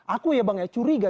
aku ya bang ya curiga